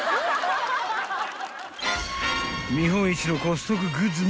［日本一のコストコグッズマニア］